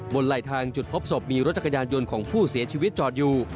ไหลทางจุดพบศพมีรถจักรยานยนต์ของผู้เสียชีวิตจอดอยู่